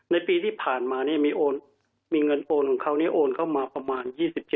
ในปีที่ผ่านมาเนี่ยมีเงินโอนของเขาโอนเข้ามาประมาณ๒๗